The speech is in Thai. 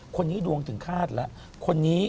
คนนี้ดวงถึงคาดแล้วคนนี้